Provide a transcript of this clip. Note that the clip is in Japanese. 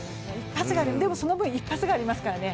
でもその分、一発がありますからね。